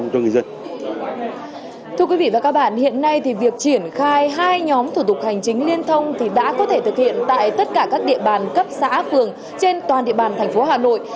trên toàn địa bàn thành phố hà nội